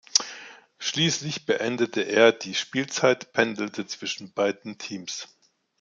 Schließlich beendete er die Spielzeit pendelnd zwischen beiden Teams.